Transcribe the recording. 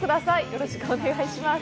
よろしくお願いします。